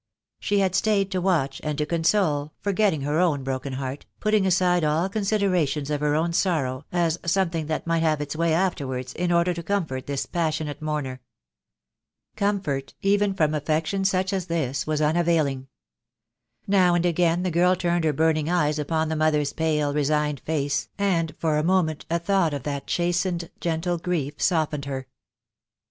She had stayed to watch, and to console, forgetting her own broken heart, putting aside ail considerations of her own sorrow as something that might have its way afterwards, in order to comfort this passionate mourner. Comfort, even from affection such as this, was un availing. Now and again the girl turned her burning eyes upon the mother's pale, resigned face, and for a moment a thought of that chastened, gentle grief softened her.